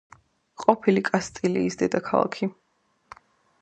ყოფილი კასტილიის დედაქალაქი.